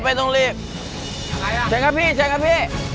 อะไรล่ะใช่ครับพี่